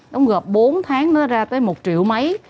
đóng góp bốn tháng nó ra tới một triệu mấy